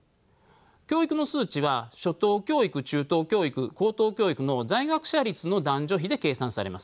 教育の数値は初等教育中等教育高等教育の在学者率の男女比で計算されます。